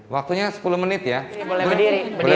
waktunya sepuluh menit ya boleh berdiri